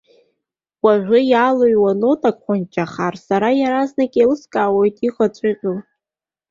Уажәа иалыҩуа нотак хәанчахар, сара иаразнак еилыскаауеит иҟаҵәҟьоу.